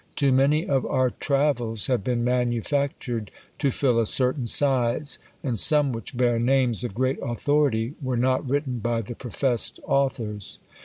Too many of our "Travels" have been manufactured to fill a certain size; and some which bear names of great authority were not written by the professed authors.